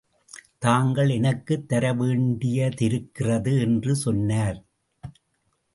தாங்கள் எனக்குத் தர வேண்டியதிருக்கிறது என்று சொன்னார்.